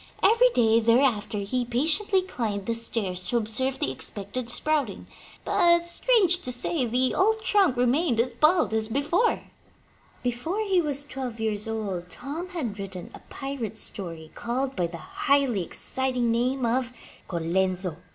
Every day, thereafter, he patiently climbed the stairs to observe the expected sprouting. But strange to say, the old trunk remained as bald as before! 22 THE LATCH KEY Before he was twelve years old, Tom had written a pirate story called by the highly exciting name of Colenzo.